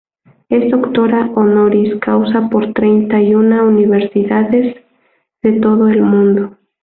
Es doctora honoris causa por treinta y una universidades de todo el mundo.